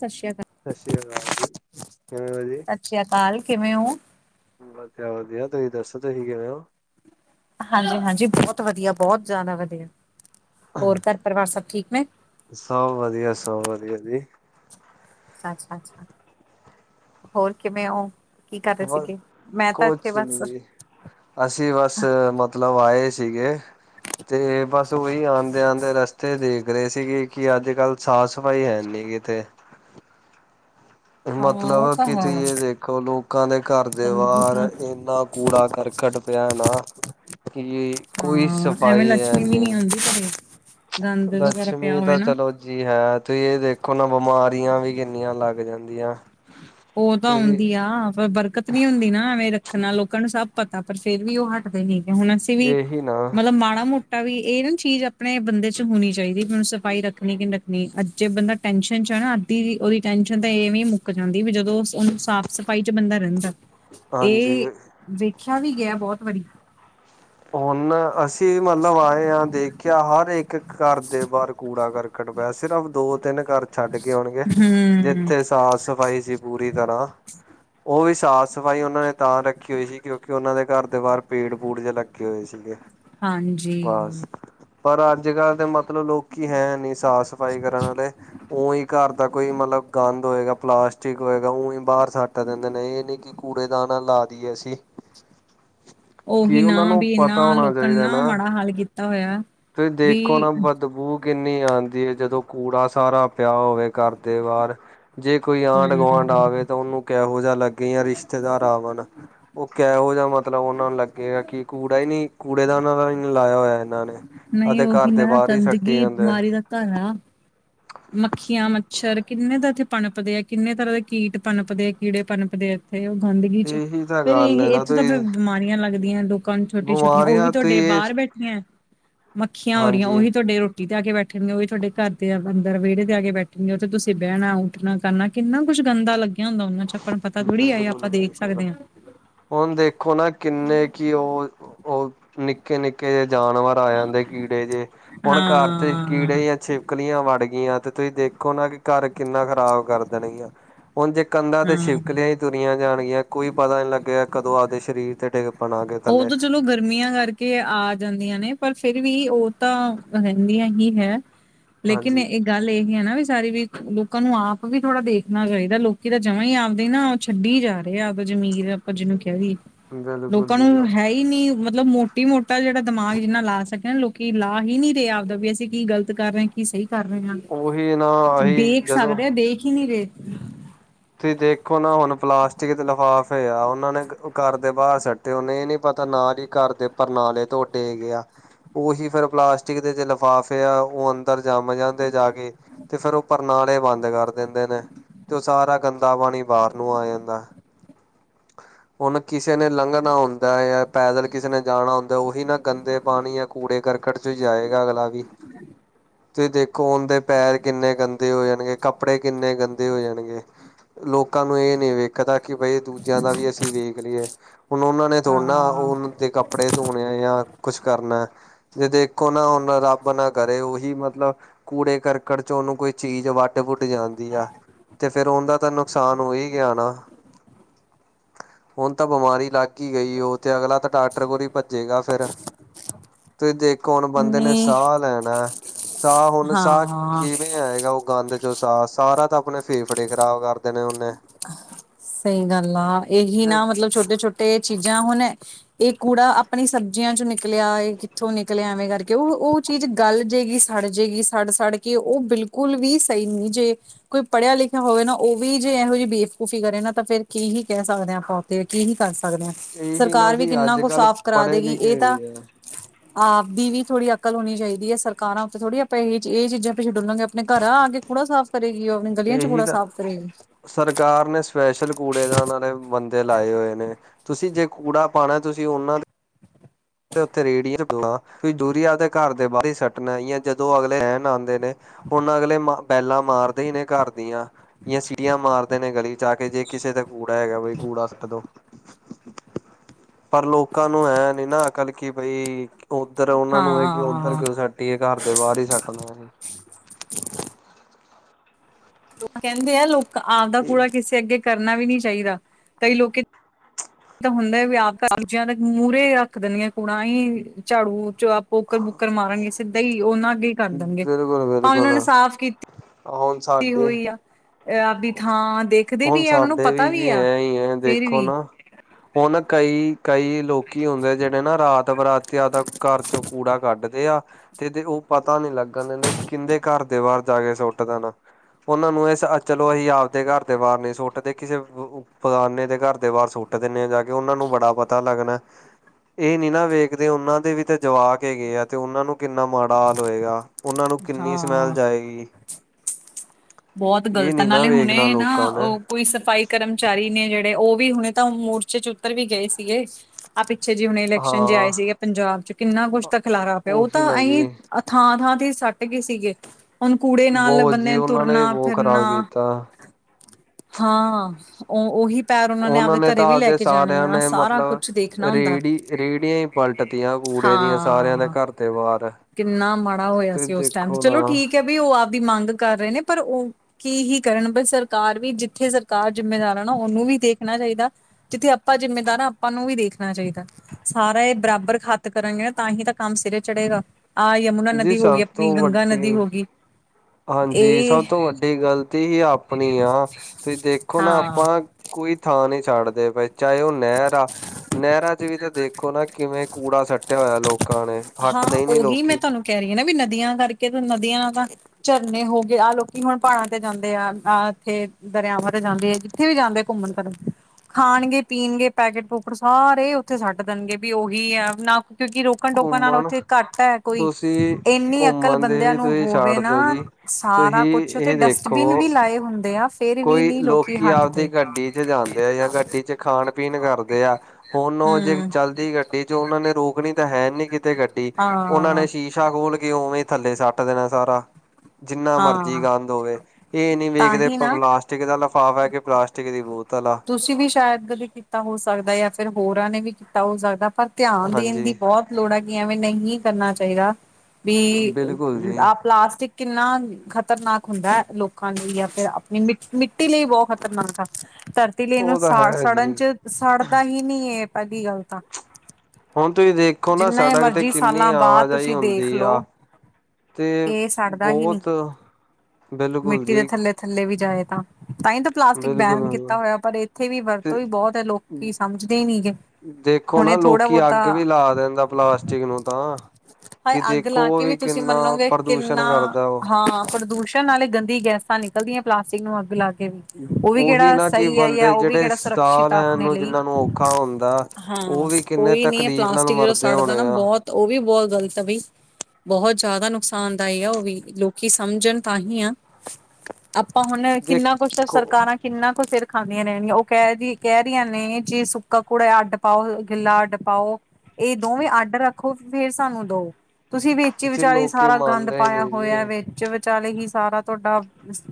ਸਸ ਸੀ ਅਕਾਲ। ਸਸ ਸ੍ਰੀ ਅਕਾਲ ਜੀ, ਕਿਵੇਂ ਹੋ ਜੀ? ਸਤਿ ਸ੍ਰੀ ਅਕਾਲ ਕਿਵੇਂ ਹੋ? ਵਧੀਆ ਵਧੀਆ ਤੁਸੀਂ ਦੱਸੋ ਤੁਸੀਂ ਕਿਵੇਂ ਹੋ? ਹਾਂਜੀ ਹਾਂਜੀ ਬਹੁਤ ਵਧੀਆ ਬਹੁਤ ਜ਼ਿਆਦਾ ਵਧੀਆ, ਹੋਰ ਘਰ ਪਰਿਵਾਰ ਸਭ ਠੀਕ ਨੇ? ਸਭ ਵਧੀਆ ਸਭ ਵਧੀਆ ਜੀ। ਅੱਛਾ ਅੱਛਾ ਅੱਛਾ, ਹੋਰ ਕਿਵੇਂ ਓ? ਕੀ ਕਰ ਰਹੇ ਬਸ ਸੀਗੇ? ਮੈਂ ਤਾਂ ਇੱਥੇ ਕੁਛ ਨੀ ਬਸ ਜੀ ਅਸੀਂ ਬਸ ਮਤਲਬ ਆਏ ਸੀਗੇ ਤੇ ਬਸ ਓਈੰ ਆਂਦੇ ਆਂਦੇ ਰਸਤੇ ਦੇਖ ਦੇਖ ਰਹੇ ਸੀਗੇ ਕਿ ਅੱਜ-ਕੱਲ ਸਾਫ਼-ਸਫ਼ਾਈ ਹੈ ਨੀ ਕਿਤੇ। ਹਾਂ ਮਤਲਬ ਉਹ ਤਾਂ ਕਿ ਹੈ ਤੁਸੀਂ ਇਹ ਦੇਖੋ ਲੋਕਾਂ ਦੇ ਘਰ ਦੇ ਗੰਦਗੀ ਤਾਂ ਬਾਹਰ ਏਨਾ ਕੂੜਾ-ਕਰਕਟ ਪਿਆ ਨਾ, ਕੀ ਕੋਈ ਹਾਂ ਐਵੇਂ ਸਫ਼ਾਈ ਲਕਸ਼ਮੀ ਹੈਨੀ। [unintelligible] ਗੰਦ ਵਗੈਰਾ ਪਿਆ ਲੱਛਮੀ ਹੋਵੇ ਤਾਂ ਨਾ ਚਲੋ ਜੀ ਹੈ ਤੁਸੀਂ ਇਹ ਦੇਖੋ ਨਾ ਬਿਮਾਰੀਆਂ ਵੀ ਕਿੰਨੀਆਂ ਲੱਗ ਜਾਂਦੀਆਂ। ਬੋਅ ਤਾਂ ਤੁਸੀਂ ਆਉਂਦੀ ਆ ਫਿਰ ਬਰਕਤ ਨੀ ਹੁੰਦੀ ਨਾ ਐਵੇਂ ਰੱਖਣ ਨਾਲ ਲੋਕਾਂ ਨੂੰ ਸਭ ਪਤਾ ਪਰ ਫੇਰ ਵੀ ਉਹ ਹੱ ਤੇ ਠੀਕ ਐ, ਹੁਣ ਅਸੀਂ ਵੀ ਇਹੀ ਨਾ ਮਤਲਬ ਮਾੜਾ- ਮੋਟਾ ਤਾ ਵੀ ਇਹ ਨਾ ਚੀਜ਼ ਆਪਣੇ ਬੰਦੇ 'ਚ ਹੋਣੀ ਚਾਹੀਦੀ, ਹੁਣ ਸਫ਼ਾਈ ਰੱਖਣੀ ਕਿ ਨਹੀਂ ਰੱਖਣੀ ਅੱਜੇ ਬੰਦਾ ਟੈਸ਼ਨ 'ਚ ਆ ਨਾ ਅੱਧੀ, ਉਹਦੀ ਟੈਨਸ਼ਨ ਤਾਂ ਐਂਵੇ ਮੁੱਕ ਜਾਂਦੀ ਦੀ ਵੀ ਜਦੋਂ ਉਹ ਉਹਨੂੰ ਸਾਫ਼ -ਸਫ਼ਾਈ 'ਚ ਬੰਦਾ ਰਹਿੰਦਾ, ਇਹ ਹਾਂਜੀ। ਦੇਖਿਆ ਵੀ ਗਿਆ ਬਹੁਤ ਵਾਰੀ। ਫੋਨ ਨਾ ਅਸੀ ਕੀ ਮਤਲਬ ਆਏ ਆ ਦੇਖਿਆ, ਹਰ ਇੱਕ ਘਰ ਦੇ ਬਾਹਰ ਕੂੜਾ- ਕਰਕਟ ਪਿਆ, ਸਿਰਫ ਦੋ- ਤਿੰਨ ਘਰ ਛੱਡ ਕੇ ਆਉਣਗੇ, ਹੂੰ ਜਿੱਥੇ ਸਾਫ਼- ਸਫ਼ਾਈ ਸੀ ਪੂਰੀ ਤਰ੍ਹਾਂ। ਉਹ ਵੀ ਸਾਫ਼- ਸਫ਼ਾਈ ਉਹਨਾਂ ਨੇ ਤਾਂ ਰੱਖੀ ਹੋਈ ਸੀ, ਕਿਉਂਕਿ ਉਹਨਾਂ ਦੇ ਘਰ ਦੇ ਬਾਹਰ ਪੇੜ- ਪੂੜ ਜੇ ਲੱਗੇ ਲੱਗੇ ਹੋਏ ਸੀਗੇ ਹਾਂਜੀ ਬਸ, ਪਰ ਅੱਜ- ਕੱਲ੍ਹ ਦੇ ਮਤਲਬ ਲੋਕੀ ਹੈ ਨੀ ਸਾਫ਼ -ਸਫ਼ਾਈ ਕਰਨ ਵੇਲੇ, ਉਈ ਘਰ ਦਾ ਕੋਈ ਮਤਲਬ ਗੰਦ ਹੋਏਗਾ, ਪਲਾਸਟਿਕ ਠੀਕ ਹੋਏਗਾ ਉਹੀ ਬਾਹਰ ਸੱਟ ਦਿੰਦੇ ਨੇ, ਇਹ ਨੀ ਕਿ ਕੂੜੇ ਦਾਨ ਲਾ ਦੀਏ ਅਸੀਂ। ਉਹੀ ਕਿ ਉਹਨਾਂ ਨਾ, ਨੂੰ ਬੀ ਨਾ ਪਤਾ ਇਹਨਾ ਹੋਣਾ ਲੋਕਾਂ ਨੇ ਨਾ, ਮਾੜਾ ਹਾਲ ਕੀਤਾ ਹੋਇਆ। ਤੇ ਵੀ ਦੇਖੋ ਨਾ ਬਦਬੂ। ਕਿੰਨੀ ਆਂਦੀ ਹੈ, ਜਦੋਂ ਕੂੜਾ ਸਾਰਾ ਪਿਆ ਹੋਵੇ ਘਾਰ ਦੇ ਬਾਹਰ ਜੇ ਕੋਈ ਆਂਢ- ਗੁਆਂਢ ਹੂੰ ਆਵੇ, ਤਾਂ ਉਹਨੂੰ ਕਿਹੋ ਜਿਹਾ ਲੱਗੇ ਜਾਂ ਰਿਸ਼ਤੇਦਾਰ ਆਵਣ। ਉਹ ਕਿਹੋ ਜਿਹਾ ਮਤਲਬ ਉਹਨਾ ਨੂੰ ਲੱਗੇਗਾ ਕਿ ਕੂੜਾ ਹੀ ਨਹੀਂ ਕੂੜੇ ਦਾਨ ਦਾ ਹੀ ਲਾਇਆ ਹੋਇਆ ਇਹਨਾਂ ਨੇ ਨਹੀਂ ਅਤੇ ਘਰ ਉਹੀ ਦੇ ਨਾ ਬਾਹਰ ਹੀ ਸੱਟੀ ਗੰਦਗੀ ਜਾਂਦੇ। ਬਿਮਾਰੀ ਦਾ ਘਰ ਆ। ਮੱਖੀਆਂ ਮੱਛਰ ਕਿੰਨੇ ਦਾ ਇੱਥੇ ਪਨਪਦੇ ਐ ਕਿੰਨੇ ਤਰ੍ਹਾਂ ਦੇ ਕੀਟ ਪਨਪਦੇ ਐ, ਕੀੜੇ ਪਨਪਦੇ ਐ ਫਿਰ ਉਹ ਗੰਦਗੀ ਚ ਇਹੀ ਤਾਂ ਫਿਰ ਗੱਲ ਏ ਨਾ ਇੱਥੇ ਤਾਂ ਤੁਸੀਂ ਬਿਮਾਰੀਆਂ ਲੱਗਦੀਆਂ ਲੋਕੀਂ ਕਨ ਛੋਟੀਆਂ ਛੋਟੀਆਂ ਉਹੀ ਬਿਮਾਰੀਆਂ ਤੁਸੀਂ ਇਹ ਬਾਹਰ ਬੈੇ ਬੈਠੀਆਂ ਏ, ਮੱਖੀਆਂ ਹੋ ਰਹੀਆਂ ਹਾਂਜੀ ਉਹੀ ਤੁਹਾਡੇ ਰੋਟੀ ਤੇ ਆ ਕੇ ਬੈਠੰਗੀਆਂ ਹੁੰਆਂ ਉਹੀ ਤੁਹਾਡੇ ਘਰ ਤੇ ਆ ਅੰਦਰ ਵਿਹੜੇ ਤੇ ਆ ਕੇ ਬੈਠਣਗੀਆਂ, ਔਥੇ ਤੁਸੀਂ ਬਹਿਣਾ ਉੱਠਣਾ ਕਰਨਾ ਕਿੰਨਾ ਕੁੱਛ ਗੰਦਾ ਲੱਗੇਗਾ - ਕੀ ਹੁੰਦਾ ਉਹਨਾਂ ਚ ਆਪਾਂ ਨੂੰ ਪਤਾ ਥੋੜ੍ਹੀ ਆ ਆਪਾਂ ਦੇਖ ਬਿਲਕੁਲ-ਬਿਲਕੁਲ। ਸਕਦੇ ਹਾਂ। ਹੁਣ ਦੇਖੋ ਨਾ ਕਿੰਨੇ ਕਿ ਉਹ, ਉਹ ਨਿੱਕੇ- ਨਿੱਕੇ ਜਿਹੇ ਜਾਨਵਰ ਆ ਜਾਂਦੇ ਕੀੜੇ ਜੇ, ਹੁਣ ਘਰ ਚ ਹਾਂ ਕੀੜੇ ਹੀ ਅੱਛੇ ਕੱਲੀਆਂ ਵੜ ਗਈਆਂ ਤੇ ਤੁਸੀਂ ਦੇਖੋ ਨਾ ਕਿ ਘਰ ਕਿੰਨਾਂ ਖ਼ਰਾਬ ਕਰ ਦੇਣਗੀਆਂ, ਹੁਣ ਜੇ ਕੰਧਾਂ ਤੇ ਹਾਂ। ਛਿਪਕਲੀਆਂ ਹੀ ਤੁਰੀਆਂ ਜਾਣਗੀਆਂ ਕੋਈ ਪਤਾ ਨੀ ਲੱਗੇਗਾ ਕਦੋਂ ਆਦੇ ਸਰੀਰ ਤੇ ਟਿੱਗ ਪੈਣ ਆ ਕੇ ਉਹ ਥੱਲੇ ਤੋ ਚਲੋ ਗਰਮੀਆਂ ਕਰਕੇ ਕੇ ਆ ਜਾਂਦੀਆਂ ਨੇ, ਪਰ ਫਿਰ ਵੀ ਉਹ ਤਾਂ ਰਹਿੰਦੀਆਂ ਹੀ ਹੈ। ਲੇਕਿਨ ਹਾਂਜੀ ਇੱਕ ਗੱਲ ਇਹ ਹੀ ਹੈ ਨਾ ਵੀ ਸਾਰੀ ਵੀ ਲੋਕਾਂ ਨੂੰ ਆਪ ਵੀ ਥੋੜਾ ਚਾਹੀਦਾ, ਲੋਕੀ ਤਾਂ ਜਮਾ ਹੀ ਆਪਦੇ ਛੱਡੀ ਹੀ ਜਾ ਰਹੇ ਆ ਆਵਦਾ ਜ਼ਮੀਰ ਆਪਾਂ ਜਿਹਨੂੰ ਕਹਿ ਦਈਏ। [unintelligible] ਲੋਕਾਂ ਨੂੰ ਹੈ ਹੀ ਨੀ- ਮਤਲਬ ਮੋਟੀ ਮੋਟਾ ਜਿਹੜਾ ਦਿਮਾਗ ਜਿੰਨਾ ਲਾ ਸਕਦੇ ਨਾ ਲੋਕੀਂ ਲਾਹ ਹੀ ਨਹੀਂ ਰਿਹਾ ਆਪਦਾ ਵੀ ਅਸੀਂ ਕੀ ਗਲਤ ਕਰ ਰਹੇ ਆ ਕੀ ਕੀ ਸਹੀ ਰਹੇ ਹਾਂ। ਉਹੀ ਨਾ ਆਹੀ ਦੇਖ ਜਦੋਂ ਸਕਦੇ ਆਂ, ਦੇਖ ਹੀ ਨਹੀਂ ਰਹੇ ਤੁਸੀਂ ਦੇਖੋ ਨਾ ਹੁਣ ਪਲਾਸਟਿਕ ਦੇ ਲਿਫਾਫੇ ਆ ਉਹਨਾਂ ਨੇ ਘਰ ਦੇ ਬਾਹਰ ਸੱਟ ਤੇ ਉਹਨੇ ਇਹ ਨੀ ਪਤਾ ਨਾ ਹੀ ਘਰ ਦੇ ਪਰਨਾਲੇ ਤੁਧਡੇ ਹੈਗੇ ਆ। ਉਹੀ ਫੇਰ ਪਲਾਸਟਿਕ ਦੇ ਜ ਲਿਫਾਫੇ ਆ ਉਹ ਅੰਦਰ ਜੰਮ ਜਾਂਦੇ ਜਾ ਕੇ ਤੇ ਫਿਰ ਉਹ ਪਰਨਾਲੇ ਬੰਦ ਕਰ ਦਿੰਦੇ ਨੇ ਤੇ ਉਹ ਸਾਰਾ ਗੰਦਾ ਪਾਣੀ ਬਾਹਰ ਨੂੰ ਆ ਜਾਂਦਾ। [inaudible] ਹੁਣ ਕਿਸੇ ਨੇ ਲੰਘਣਾ ਹੁੰਦਾ ਜਾਂ ਪੈਦਲ ਕਿਸੇ ਨੇ ਜਾਣਾ ਹੁੰਦਾ ਉਹੀ ਨਾ ਗੰਦੇ ਪਾਣੀ ਕੂੜੇ ਕਰਕਟ ਚ ਹੀ ਜਾਏਗਾ ਅਗਲਾ ਵੀ ਹਮ [unintelligible] ਤੁਸੀਂ ਦੇਖੋ ਉਹਨੇ ਦੇ ਪੈਰ ਕਿੰਨੇ ਗੰਦੇ ਹੋ ਜਾਣਗੇ। ਕੱਪੜੇ ਕਿੰਨੇ ਗੰਦੇ ਹੋ ਜਾਨਗੇ ਲੋਕਾਂ ਨੂੰ ਇਹ ਨਹੀਂ ਵਿਖਦਾ ਕਿ ਬਈ ਚੀਜ਼ਾਂ ਦਾ ਵੀ ਅਸੀਂ ਵੇਖ ਲਈਏ ਹੁਨ ਉਹਨਾਂ ਨੇ ਥੋੜਾ ਨਾ ਹਾਂ ਉਹਨਾਂ ਦੇ ਕੱਪੜੇ ਧੋਣੇ ਆ ਜਾਂ ਕੁਛ ਕਰਨਾ, ਜੇ ਦੇਖੋ ਨਾ ਹੁਨ ਰੱਬ ਨਾ ਕਰੇ ਉਹੀ ਮਤਲਬ ਕੂੜੇ ਕਰਕਟ ਚ ਉਹਨੂੰ ਕੋਈ ਚੀਜ਼ ਵੱਟ-ਵੁੱਟ ਜਾਂਦੀ ਐ ਤੇ ਫੇਰ ਉਹੰਦਾ ਤਾਂ ਨੁਕਸਾਨ ਹੋ ਹੀ ਗਿਆ ਨਾ ਹੁਨ ਤਾਂ ਬਿਮਾਰੀ ਲੱਗ ਈ ਗਈ ਉਹ ਤੇ ਅਗਲਾ ਤਾਂ ਡਾਕਟਰ ਕੋਲ ਹੀ ਭੱਜੇਗਾ ਫਿਰ ਤੁਸੀਂ ਦੇਖੋ ਹੁਨ ਬੰਦੇ ਨੇ ਨਹੀਂ ਸਾਹ ਲੈਣਾ ਸਾਹ ਹੁਨ ਸਾਹ ਹਾਂ ਕਿਵੇਂ ਆਏਗਾ ਉਹ ਗੰਦ ਚ ਸਾਹ ਸਾਰਾ ਤਾਂ ਆਪਨੇ ਫੇਫੜੇ ਖ਼ਰਾਬ ਕਰਦੇ ਨੇ ਉਹਨੇ ਸਹੀ ਗੱਲ ਆ ਇਹੀ ਤੇ ਨਾ ਮਤਲਬ ਛੋਟੇ ਛੋਟੇ ਚੀਜ਼ਾਂ ਹੁਨ ਇਹ ਕੂੜਾ ਆਪਨੀ ਸਬਜ਼ੀਆਂ ਚੋਂ ਨਿਕਲਿਆ ਇਹ ਕਿੱਥੋਂ ਨਿਕਲਿਆ ਐਵੇਂ ਕਰਕੇ ਉਹ ਉਹ ਚੀਜ਼ ਗਲਜੇਗੀ, ਸੜ ਜਏਗੀ ਸੜ-ਸੜ ਕੇ ਉਹ ਬਿਲਕੁਲ ਵੀ ਸਹੀ ਨੀ ਜੇ ਕੋਈ ਪੜ੍ਹਿਆ ਲਿਖਿਆ ਹੋਵੇ ਨਾ ਉਹ ਵੀ ਜੇ ਇਹੋ ਜਹੀ ਬੇਵਕੂਫੀ ਕਰੇ ਨਾ ਤਾਂ ਫੇਰ ਕੀ ਹੀ ਕਹਿ ਸਕਦੇ ਹਾਂ ਆਪਾਂ ਉੱਥੇ ਕੀ ਹੀ ਕਰ ਸਕਦੇ ਸਕਦੇ ਹਾਂ ਇਹੀ ਨਾ ਸਰਕਾਰ ਵੀ ਜੀ ਕਿੰਨਾ ਅੱਜ ਕੁ ਕੱਲ੍ਹ ਸਾਫ਼ ਕਰਾ ਪੜ੍ਹੇ ਦੇਗੀ ਇਹ ਲਿਖੇ ਤਾਂ ਵੀ ਆ ਆਪ ਦੀ ਵੀ ਥੋੜੀ ਅਕਲ ਹੋਨੀ ਚਾਹੀਦੀ ਹੈ ਸਰਕਾਰਾਂ ਉੱਤੇ ਥੋੜੀ ਆਪਾਂ ਇਹ ਇਹ ਚੀਜ਼ਾਂ ਪਿਛੇ ਡੁਲਾਂਗੇ ਆਪਨੇ ਘਰ ਆ ਕੇ ਕੂੜਾ ਸਾਫ਼ ਕਰੇਗੀ ਉਹ ਅਪਨੀ ਗਲੀਆਂ ਚ ਇਹੀ ਕੂੜਾ ਤਾਂ ਸਾਫ਼ ਕਰੇਗੀ ਸਰਕਾਰ ਨੇ ਸਪੈਸ਼ਲ ਕੂੜੇ ਦਾਨੇ ਨੇ ਬੰਦੇ ਲਾਏ ਹੋਏ ਨੇ ਤੁਸੀ ਤੁਸੀਂ ਜੇ ਕੂੜਾ ਪਾਣਾ ਤੁਸੀਂ ਉਹਨਾਂ ਦੇ ਉੱਥੇ ਰੇੜੀਏ 'ਚ ਬਲਾ ਤੂਸੀ ਜਰੂਰੀ ਆਬਦੇ ਘਰ ਦੇ ਬਾਅਰੀ ਸਟਣਾ ਯਾ ਜਦੋਂ ਅਗਲੇ ਲੈਣ ਆਂਦੇ ਨੇ ਹੁਣ ਅਗਲੇ ਮ ਬੈਲਾਂ ਮਾਰਦੇ ਈ ਨੇ ਘਰ ਦੀਆਂ। ਯਾ ਸਿਟੀਆਂ ਮਾਰਦੇ ਨੇ ਗਲੀ ਚ ਆ ਕੇ ਜੇ ਕਿਸੇ ਦੇ ਕੂੜਾ ਐਗਾ ਬਈ ਕੂੜਾ ਸਿੱਟ ਦੋ, ਪਰ ਲੋਕਾਂ ਨੂੰ ਐਂ ਨੀ ਨਾ ਕਲ ਕੀ ਬਈ ਓਧੱਰ ਉਨਾਂ ਨੂੰ ਐ ਕੀ ਉੱਧਰ ਹਾਂ ਕਿਉਂ ਸੱਟੀਏ ਘਰ ਦੇ ਬਾਅਰ ਈ ਸੱਟਲੋ। ਕੈਂਦੇ ਐ ਲੋਕ ਆਵਦਾ ਕੂੜਾ ਕਿਸੇ ਅੱਗੇ ਕਰਨਾ ਵੀ ਨੀ ਚਈਦਾ ਕਈ ਲੋਕੀ ਤਾ ਹੁੰਦੇ ਐਵੀ ਆਪ ਤਾਂ ਦੂਜਿਆਂ ਦੇ ਮਮੂਰੇ ਰੱਖ ਦਿੰਦੀਐਂ ਕੂੜਾ ਆਂਈਂ ਝਾੜੂ 'ਚ ਆਪ ਬੋਕਰ-ਬੁੱਕਰ ਮਾਰਾਂਗੇ ਸਿੱਧਾਈ ਉਨਾਂ ਦੀ ਕਰ ਦੇਨਗੇ, ਭਾਂਵੇ ਉਨਂਹਾ ਨੇ ਸਾਫ਼ ਕੀਤੀ ਆਓ ਹੋਈ ਆ ਅ ਆਵਦੀ ਥਾਂਅ ਹੁਣ ਸਾਡੇ ਵੀ ਜੀ ਐਂਈ ਐ ਫਿਰ ਦੇਖੋ ਵੀ ਨਾ ਹੁਨ ਕਈ ਕਈ ਲੋਕੀ ਓੰਦੇ ਜੇੜੇ ਨਾ ਰਾਤ-ਬਰਾਤੇ ਆਵਦਾ ਘਰ ਚੋ ਕੂੜਾ ਕੱਢ ਦੇ ਆ ਤੇ ਦੇ ਉ ਪਤਾ ਨੀ ਲੱਗਣ ਦਿੰਦੇ ਕਿੰਦੇ ਘਰ ਦੇ ਬਾਅਰ ਜਾ ਕੇ ਸੁੱਟ ਦੇਣਾ ਉਨਾਂ ਨੂੰ ਇਸ ਅ ਚਲੋ ਅਹੀ ਆਵਦੇ ਘਰ ਦੇ ਬਾਅਰ ਨੀਂ ਸੁੱਟਦੇ ਕਿਸੇ ਵ ਉ ਫਲਾਨੇਂ ਦੇ ਘਰ ਦੇ ਬਾਅਰ ਸੁੱਟ ਦਿੰਨੇ ਆ ਜਾ ਕੇ ਉਨਾਂ ਨੂੰ ਬੜਾ ਪਤਾ ਲਗਣੈ ਇਹ ਨੀ ਨਾ ਵੇਕਦੇ ਓਨਾਂ ਦੇ ਵੀ ਤਾ ਜਵਾਕ ਹੈਗੇ ਆ ਤੇ ਉਨਾਂ ਨੂੰ ਕਿੰਨਾ ਮਾੜਾ ਹਾਲ ਓਏਗਾ ਉਨਾਂ ਨੂੰ ਕਿੰਨੀ ਸਮੈਲ ਹਾਂ ਜਾਏਗੀ ਬੌਤ ਇਹ ਗ਼ਲਤਾ ਨੀ ਨਾ ਨਾਲੇ ਵੇਖਣਾ ਹੁਣੇ ਨਾਂ ਲੋਕਾਂ ਨੇ। ਓਅ ਕੋਈ ਸਫ਼ਾਈ ਕਰਮਚਾਰੀ ਨੇ ਜਿੜੇ ਓ ਵੀ ਹੁਣੇ ਤਾਂ ਉਂ ਮੋਰਚੇ 'ਚ ਉੱਤਰ ਵੀ ਗਏ ਸੀਗੇ। ਆ ਪਿੱਛੇ ਜਿ ਹੁਨੇ ਇਲੈਕਸ਼ਨ ਜੇ ਆਏ ਹਾਂ ਸੀਗੇ ਪੰਜਾਬ 'ਚ ਕਿੰਨਾ ਕੁਛ ਤਾ ਖਿਲਾਰਾ ਪਿਆ ਉਅ ਉਹੀ ਤਾ ਨਾ ਐਈਂ ਜੀ ਅ ਥਾਂ-ਥਾਂ ਤੇ ਸੱਟਗੇ ਸੀਗੇ, ਹੁਣ ਕੂੜੇ ਨਾਲ ਬਹੁਤ ਜੀ ਬੰਦਿਅਂ ਉਹਨਾਂ ਨੇ ਬਹੁਤ ਤੁਰਨਾ-ਫਿਰਨਾ, ਖ਼ਰਾਬ ਕੀਤਾ। ਹਾਂਅ ਉਂ ਉਹੀ ਪੈਰ ਉਨਾਂ ਨੇ ਉਹਨਾਂ ਆਵਦੇ ਘਰੇ ਤਾਂ ਵੀ ਲੈ ਆਪਦੇ ਕੇ ਜਾਨੇ ਸਾਰਿਆਂ ਆਂ ਨੇ ਸਾਰਾ ਕੁੱਛ ਦੇਖਣਾ ਹੂਦਾ ਐ ਪਲਟਤੀਆ ਕੂੜੇ ਦੀਆਂ ਸਾਰਿਆਂ ਦੇ ਘਰ ਦੇ ਬਾਅਰ ਕਿੰਨਾ ਮਾੜਾ ਹੋਇਆ ਸੀ ਓਸ ਟੈਮ ਚਲੋ ਠੀਕ ਐ ਵੀ ਉ ਆਵਦੀ ਮੰਗ ਕਰ ਰਏ ਨੇ ਪਰ ਓ ਕੀ ਹੀ ਕਰਨ ਬ ਸਰਕਾਰ ਵੀ ਜਿੱਥੇ ਸਰਕਾਰ ਜਿੰਮੇਦਾਰ ਆ ਨਾ ਉਨੂੰ ਵੀ ਦੇਖਣਾ ਚਾਈਦਾ। ਜਿੱਥੇ ਆਪਾ ਜਿੰਮੇਦਾਰ ਆਂ ਆਪਾਂ ਨੂੰ ਵੀ ਦੇਖਣਾ ਚਾਈਦਾ। ਸਾਰੇ ਬਰਾਬਰ ਖਤ ਕਰਨਗੇ ਤਾਹੀ ਤਾ ਕੰਮ ਸਿਰੇ ਚੜ੍ਹੇਗਾ। ਆ ਯਮੁਨਾ ਜੀ ਨਦੀ ਹੋਗੀ ਸਭ ਅਪਣੀ, ਤੋਂ ਗੰਗਾ ਨਦੀ ਵੱਡੀ ਹੋਗੀ। ਹਾਂਜੀ ਸਭ ਤੋ ਵੱਡੀ ਗਲਤੀ ਈ ਆਪਣੀ ਆ ਤੁਹੀ ਦੇਖੋ ਨਾ ਹਾਂ। ਆਪਾਂ ਕੋਈ ਥਾਂ ਨਈ ਛਡਦੇ ਪਏ ਚਾਏ ਓ ਨਹਿਰ ਆ। ਨਹਿਰਾਂ 'ਚ ਵੀ ਤਾ ਨਾਂ ਕਿਵੇਂ ਕੂੜਾ ਸੱਟਿਆ ਹੋਇਆ ਲੋਕਾਂ ਨੇ ਹਾਂ ਹੱਟਦੇਈ ਨੀਂ ਉਹੀ ਮੈਂ ਲੋਕੀ। ਤੁਹਾਨੂੰ ਕਹਿ ਰੀਆਂ ਨਾ ਵੀ ਨਦੀਆਂ ਕਰਕੇ ਤ ਨਦੀਆਂ ਦਾ ਝਰਨੇ ਹੋਗੇ ਆ੍ਹ ਲੋਕੀ ਹੁਣ ਭਾੜਾਂ ਤੇ ਜਾਂਦੇ ਆ ਆਹ ਅੱਥੇ ਦਰਿਆਵਾਂ ਤੇ ਜਾਂਦੇ ਐ ਜਿੱਥੇ ਵੀ ਜਾਂਦੇ ਐ ਘੁੰਮਣ- ਫਿਰਣ ਖਾਣਗੇ -ਪੀਣਗੇ ਪੈਕੇਟ- ਪੂਕਟ ਸਾਰੇ ਉੱਥੇ ਸੱਟ ਦਣਗੇ ਵੀ ਉਹੀ ਆ ਨਾਂ ਕਿਉਕੀ ਰੋਕਣ ਪਰ ਲੋਕਾਂ ਨਾਲੋਂ ਘੁੰਮਣ ਇਥੇ ਘੱਟ ਐ ਕੋਈ ਤੁਸੀਂ ਏਂਨੀ ਅਕਲ ਘੁੰਮਣ ਦੇ ਬੰਦਿਆਂ ਵੀ ਨੂੰ ਤੁਸੀਂ ਹੋਵੇ ਛੱਡ ਦੋ ਨਾਅ ਜੀ ਸਾਰਾ ਤੁਸੀਂ ਕੁਛ, ਓਥੇ ਇਹ ਡਸਟਬਿਨ ਵੀ ਦੇਖੋ ਲਾਏ ਹੁੰਦੇ ਆ। ਫੇਰ ਵੀ ਕੋਈ ਨਹੀਂ ਲੋਕੀ ਆਵਦੀ ਹਟਦੇ ਗੱਡੀ ਝ ਜਾਂਦੇ ਐ ਜਾਂ ਗੱਡੀ ਝ ਖਾਣ - ਪੀਣ ਕਰਦੇ ਆ ਹੁਣ ਓਹ ਜੇ ਹਮ ਚਲਦੀ ਗੱਡੀ 'ਚ ਉਨਾਂ ਨੇ ਰੋਕਣੀ ਤੇ ਹੈ ਨੀ ਕਿਤੇ ਗੱਡੀ ਉਨਾਂ ਨੇ ਹਾਂ ਸ਼ੀਸ਼ਾ ਖੋਲ੍ਹ ਕੇ ਉਵੇਂ ਥੱਲੇ ਸੱਟ ਦੇਣਾ ਸਾਰਾ। ਜਿੰਨਾ ਮਰਜ਼ੀ ਹਾਂ ਗੰਦ ਹੋਵੇ ਏ ਨੀਂ ਤਾਂ ਵੇਖਦੇ ਹੀ ਨਾ ਪਲਾਸਟਿਕ ਦਾ ਲਫਾਫਾ, ਪਲਾਸਟਿਕ ਦੀ ਬੋਤਲ ਆ। ਤੁਸੀਂ ਵੀ ਸ਼ਾਇਦ ਕਦੇ ਕੀਤਾ ਹੋ ਸਕਦਾ ਜਾ ਫਿਰ ਹੋਰਾਂ ਨੇ ਵੀ ਕੀਤਾ ਹੋ ਸਕਦਾ ਪਰ ਧਿਆਨ ਦੇਣ ਦੀ ਹਾਂਜੀ ਬੌਤ ਲੋੜਾਂ ਕਿ ਐਵੇਂ ਨਹੀਂ ਕਰਨਾ ਚਾਹੀਦਾ ਵੀ ਬਿਲਕੁਲ ਜੀ ਆ ਪਲਾਸਟਿਕ ਕਿੰਨਾ ਖ਼ਤਰਨਾਕ ਹੁੰਦਾ ਲੋਕਾਂ ਲਈ ਜਾਂ ਫਿਰ ਆਪਣੀ ਮਿੱ ਮਿੱਟੀ ਲਈ ਬੌਹਤ ਖ਼ਤਰਨਾਕ ਆ ਧਰਤੀ ਲਈ ਇਨੂੰ ਉਹ ਤਾਂ ਸਾੜ ਹੈ ਸੜਨ ਜੀ 'ਚ ਸੜਦਾ ਹੀ ਨਹੀਂ ਇਹ ਪਹਿਲੀ ਗੱਲ ਤਾਂ, ਹੁਣ ਤੁਸੀਂ ਦੇਖੋ ਨਾ ਜਿੰਨਾ ਇਹ ਸੜਕ ਤੇ ਮਰਜ਼ੀ ਕਿੰਨੀ ਸਾਲਾਂ ਬਾਅਦ ਆਵਾਜਾਈ ਤੁਸੀਂ ਦੇਖ ਹੁੰਦੀ ਆ। ਲਓ ਤੇ ਇਹ ਸੜਦਾ ਹੀ ਨਹੀਂ ਬਹੁਤ ਬਿਲਕੁਲ ਮਿੱਟੀ ਦੇ ਜੀ। ਥੱਲੇ ਥੱਲੇ ਵੀ ਜਾਏ ਤਾਂ, ਤਾਂ ਹੀ ਤਾਂ ਪਲਾਸਟਿਕ ਬਿਲਕੁਲ ਬੈਨ ਕੀਤਾ ਹ ਹੋਇਆ ਪਰ ਇੱਥੇ ਵੀ ਤੇ ਵਰਤੋਂ ਵੀ ਬਹੁਤ ਐ ਲੋਕੀ ਸਮਝਦੇ ਨੀਂ ਗੇ। ਦੇਖੋ ਨਾ ਹੁਣੇ ਥੋੜਾ ਲੋਕੀ ਬਹੁਤਾ ਅੱਗ ਵੀ ਲਾ ਦਿੰਦਾ ਪਲਾਸਟਿਕ ਨੂੰ ਤਾਂ, ਹਾਏ ਕਿ ਅੱਗ ਲਾ ਦੇਖੋ ਕੇ ਵੀ ਤੁਸੀਂ ਕਿੰਨਾ ਮੰਨੋਗੇ ਕਿੰਨਾ ਪ੍ਰਦੂਸ਼ਣ ਕਰਦਾ ਵਾਂ। ਹਾਂ ਪ੍ਰਦੂਸ਼ਣ ਨਾਲੇ ਗੰਦੀ ਗੈਸਾਂ ਨਿਕਲਦੀਆਂ ਪਲਾਸਟਿਕ ਨੂੰ ਅੱਗ ਲਾ ਕੇ ਕੇ ਉਹ ਵੀ ਉਹੀ ਕਿਹੜਾ ਨਾ ਕਿ ਸਹੀ ਐ ਜਾਂ ਬੰਦੇ ਉਹ ਵੀ ਜਿਹੜੇ ਕਿਹੜਾ ਸਾਹ ਸੁਰਖਸਿਤ ਆ ਲੈਣ ਆਪਣੇ ਨੂੰ ਲਈ, ਜਿਹਨਾਂ ਨੂੰ ਔਖਾ ਹੁੰਦਾ ਹਾਂ ਉਹ ਵੀ ਕਿੰਨੇ ਕੋਈ ਨੀ ਐ ਤਕਲੀਫ਼ ਨਾਲ ਪਲਾਸਟਿਕ ਮਰਦੇ ਸੜਦਾ ਹੋਣੇ ਨਾ ਆ ਬਹੁਤ ਤੇ ਉਹ ਵੀ ਬਹੁਤ ਗ਼ਲਤ ਆ ਬਈ ਬਹੁਤ ਜ਼ਿਆਦਾ ਨੁਕਸਾਨਦਾਇ ਆ ਉਹ ਵੀ, ਲੋਕੀ ਸਮਝਣ ਤਾਂਹੀ ਆ ਆਪਾਂ ਹੁਣ ਕਿੰਨਾ ਕੁਛ ਤਾਂ ਦੇਖੋ ਸਰਕਾਰਾਂ, ਕਿੰਨਾ ਕੁ ਸਿਰ ਖਾਂਦੀਆਂ ਰਹਿਣਦੀਆਂ ਉਹ ਕਹਿ ਦੀ ਕਹਿ ਰਹੀਆਂ ਨੇ ਜੀ ਸੁੱਕਾ ਕੂੜਾ ਅੱਡ ਪਾਓ ਗਿੱਲਾ ਅੱਡ ਪਾਓ ਇਹ ਦੋਵੇਂ ਅੱਡ ਰੱਖੋ ਫੇਰ ਸਾਨੂੰ ਦਓ। ਤੁਸੀਂ ਵਿੱਚ ਜੀ ਵਿਚਾਰੇ ਲੋਕੀ ਸਾਰਾ ਗੰਦ ਮੰਨਦੇ ਹੀ ਪਾਇਆ। ਨੀ ਜੀ ਹੋਇਆ ਵਿੱਚ ਵਿਚਾਲੇ ਹੀ ਸਾਰਾ ਤੁਹਾਡਾ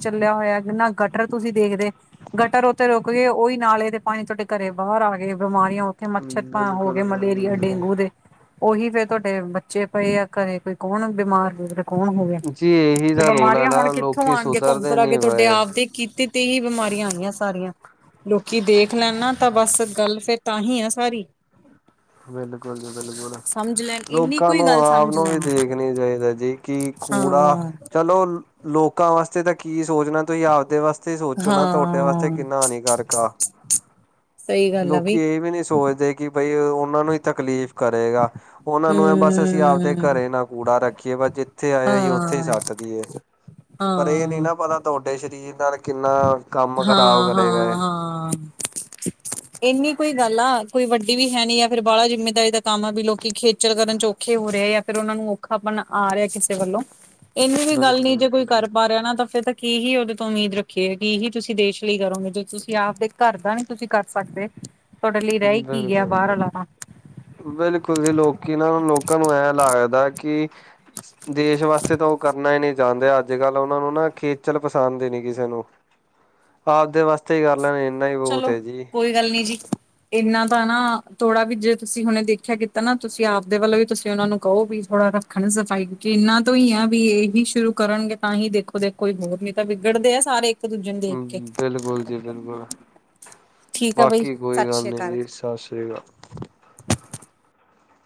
ਚੱਲਿਆ ਹੋਇਆ ਕਿੰਨਾ ਗਟਰ ਤੁਸੀਂ ਦੇਖਦੇ, ਗਟਰ ਉੱਥਤੇ ਰੁਕ ਗਏ ਉਹੀ ਨਾਲੇ ਦੇ ਪਾਣੀ ਤੁਹਾਡੇ ਘਰੇ ਬਾਹਰ ਆ ਗਏ ਬਿਮਾਰੀਆਂ ਉ ਇਹ ਮੱਛਰ ਤਾਂ ਹੋ ਬਿਲਕੁਲ ਗਏ ਬਿਲਕੁਲ ਮਲੇਰੀਆ ਜੀ ਡੇਂਗੂ ਦੇ, ਉਹੀ ਫੇਰ ਤੁਹਾਡੇ ਬੱਚੇ ਪਏ ਆ ਘਰੇ ਕੋਈ ਕੌਣ ਬਿਮਾਰ ਕੌਣ ਹੋਵੇ। ਜੀ ਇਹੀ ਤਾਂ ਰੋਲ ਹੈ ਬਿਮਾਰੀਆਂ ਹੁਣ ਨਾ ਕਿੱਥੋਂ ਲੋਕੀ ਆਉਣਗੇ ਘੁੰਮ ਸੁਧਰਦੇ ਫਰਾ ਨੀ ਕੇ ਤੁਹਾਡੇ ਪਏ ਆਪਦੇ ਦੇ ਕੀਤੇ ਤੀਹ ਬਿਮਾਰੀਆਂ ਆਉਣ ਗਈਆਂ ਸਾਰੀਆਂ ਲੋਕੀ ਦੇਖ ਲੈ ਨਾ। ਤਾਂ ਬਸ ਗੱਲ ਫੇਰ ਤਾਂ ਹੀ ਐ ਸਾਰੀ। ਬਿਲਕੁਲ ਜੀ ਬਿਲਕੁਲ ਸਮਝ ਲੈਣ ਇੰਨੀ ਲੋਕਾਂ ਕੋਈ ਨੂੰ ਗੱਲ ਆਪ ਸਮਝ ਨੂੰ ਵੀ ਲੈਣ ਦੇਖ ਐਕਨੀ ਚਾਈਦੇੈ ਜੀ ਕਿ ਕੂੜਾ ਹਾਂ। ਚਲੋ ਲੋਕ ਲੋਕਾਂ ਵਾਸਤੇ ਤਾਂ ਕੀ ਸੋਚਨਾ ਤੁਸੀਂ ਆਵਦੇ ਵਾਸਤੇ ਈ ਸੋਚੋ ਨਾ ਤੋਡੇ ਵਾਸਤੇ ਹਾਂ ਕਿੰਨਾ ਹਾਨੀਕਾਰਕ ਆ। [inaudible] ਸਹੀ ਗੱਲ ਆ ਲੋਕੀ ਬਈ ਏ ਵੀ ਨੀ ਸੋਚਦੇ ਕਿ ਬਈ ਓਨਾਂ ਨੂੰ ਈ ਤਕਲੀਫ ਕਰੇਗਾ ਓਨਾਂ ਨੂੰ ਐ ਬਸ ਅਸੀਂ ਆਵਦੇ ਹੂੰ। ਘਰੇ ਨਾ ਕੂੜਾ ਰੱਖੀਏ ਬਸ ਜਿੱਥੇ ਆਏਆ ਅਸੀਂ ਓਥੇ ਈ ਹਾਂ ਸੱਟ ਦਈਏ ਪਰ ਏ ਨੀ ਹਾਂ ਨਾ ਪਤਾ ਤੋਡੇ ਸ਼ਰੀਰ ਨਾਲ ਕਿੰਨਾ ਕੰਮ ਖਰਾਬ ਹਾਂ ਕਰੇਗਾ ਏ। ਹਾਂ ਹਾਂ। ਇੰਨੀ ਕੁ ਈ ਗੱਲ ਆ ਕੋਈ ਵੱਡੀ ਵੀ ਹੈ ਨੀ ਯਾ ਫੇਰ ਬਾਲਾ ਜਿੰਮੇਦਾਰੀ ਦਾ ਕੰਮ ਆ ਵੀ ਲੋ ਕਿ ਖੇਚਲ ਕਰਨ ਚ ਔਖੇ ਹੋ ਰਏ ਆ ਯਾ ਫਿਰ ਓਨੂੰ ਔਖਾਪਨ ਆ ਰਿਆ ਕਿਸੇ ਵੱਲੋਂ ਏਨੀ ਵੀ ਗੱਲ ਨੀ ਜੇ ਬਿਲਕੁਲ-ਬਿਲਕੁਲ ਕੋਈ ਜੀ। ਕਰ ਪਾ ਰਿਆ ਨਾ ਤਾਂ ਫਿਰ ਤੇ ਕੀ ਹੀ ਓਦੇ ਤੋਂ ਉਮੀਦ ਰੱਖੀਏ ਕਿ ਹੀ ਤੁਸੀਂ ਦੇਸ਼ ਲਈ ਕਰੋਗੇ ਜਦੋਂ ਤੁਸੀਂ ਆਵਦੇ ਘਰ ਦਾ ਨੀ ਤੁਸੀਂ ਕਰ ਸਕਦੇ ਤੁਆਡੇ ਲਈ ਰੈ ਈ ਕੀ ਗਿਆ ਬਿਲਕੁਲ ਬਾਰ ਜੀ, ਆਲਾ ਤਾਂ ਬਿਲਕੁਲ ਜੀ ਲੋਕੀ ਨਾ ਲੋਕਾਂ ਨੂੰ ਐਂ ਲੱਗਦਾ ਕਿ ਦੇਸ਼ ਵਾਸਤੇ ਤਾਂ ਓ ਕਰਨਾ ਈ ਨੀ ਚਾਂਦੇ ਅੱਜ-ਕੱਲ ਓਨਾ ਨੂੰ ਨਾ ਖੇਚਲ ਪਸੰਦ ਈ ਨੀ ਕਿਸੇ ਨੂੰ [inaudible] ਆਵਦੇ ਵਾਸਤੇ ਈ ਕਰ ਲੈਨ ਇੰਨਾ ਈ ਬੋਤ ਚਲੋ ਐ ਜੀ। ਕੋਈ ਗੱਲ ਨੀਂ ਜੀ। ਏਨਾਂ ਦਾ ਨਾ ਥੋੜਾ ਵੀ ਜੇ ਤੁਸੀਂ ਹੁਨੇ ਦੇਖੇਆ ਕੀਤਾ ਨਾ ਤੁਸੀਂ ਆਵਦੇ ਵੱਲੋਂ ਵੀ ਤੁਸੀਂ ਓਨਾ ਨੂੰ ਕਓ ਵੀ ਥੋੜਾ ਰੱ ਖਨ ਸਫਾਈ ਕਿਓਂਕੇ ਏਨਾਂ ਤੋਂ ਈ ਆ ਵੀ ਏਹੀ ਸ਼ੁਰੂ ਕਰਨਗੇ ਤਾਂ ਹੀ ਦੇਖੋ-ਦੇਖੋ ਕੋਈ ਹੋਰ ਨਈਂ ਤਾਂ ਵਿਗੜਦੇ ਆ ਸਾਰੇ। ਦੂਜੇ ਨੂੰ ਦੇਖ ਕੇ ਹੂੰ, ਬਿਲਕੁਲ ਜੀ ਬਿਲਕੁਲ। ਠੀਕ ਆ ਬਈ ਬਾਕੀ ਕੋਈ ਸਤਿ ਗੱਲ ਸ੍ਰੀ ਨੀ ਅਕਾਲ। ਜੀ ਸਾਸ੍ਰੀ ਕਾਲ।